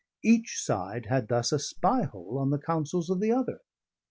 Each side had thus a spy hole on the counsels of the other.